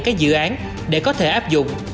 các dự án để có thể áp dụng